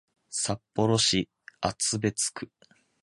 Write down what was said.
札幌市厚別区